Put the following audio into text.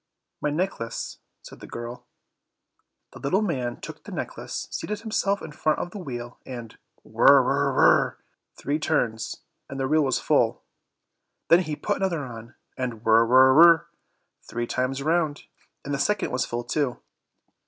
"My necklace," said the girl. The little man took the necklace, seated himself in front of the wheel, and "whirr, whirr, whirr," three turns, and the reel was full; then he put another on, and whirr, whirr, whirr, three times round, and the second was full too.